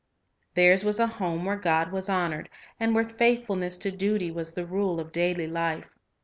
Theirs was a home where God was honored, and where faithfulness to duty was the rule of daily life.